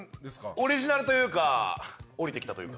オリジナルというかおりてきたというか。